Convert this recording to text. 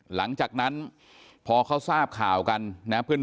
หลังจากนั้นพอเขาทราบข่าวกันนะเพื่อน